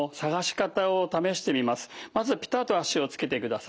まずピタッと足をつけてください。